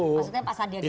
maksudnya pasang dia jokowi